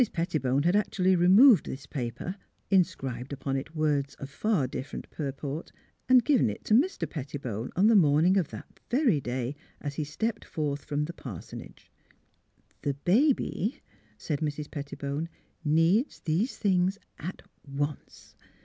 Pettibone had actually removed this paper, inscribed upon it words of far different purport, and given it to 308 THE HEART OF PHILUEA Mr. Pettibone on the morning of that very day, as he stepped forth from the parsonage. '' THE BABY," said Mrs. Pettibone, " needs these things, at once."